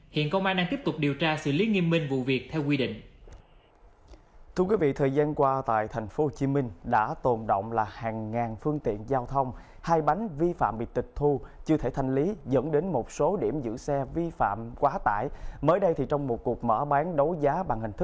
hiện công an đang tiếp tục điều tra xử lý nghiêm minh vụ việc theo quy định